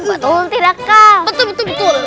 betul betul betul